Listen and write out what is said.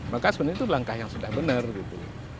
maka sebenarnya itu langkah yang sudah benar gitu